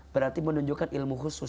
berarti menunjukkan ilmu khusus